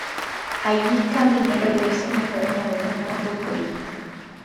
Allí Caminero vive sus mejores momentos como futbolista.